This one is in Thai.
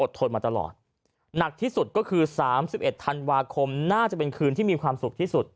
มาตลอดหนักที่สุดก็คือ๓๑ธันวาคมน่าจะเป็นคืนที่มีความสุขที่สุด